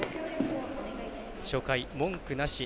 初回、文句なし。